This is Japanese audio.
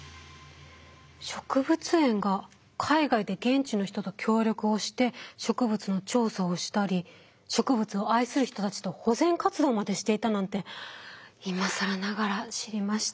植物園が海外で現地の人と協力をして植物の調査をしたり植物を愛する人たちと保全活動までしていたなんて今更ながら知りました。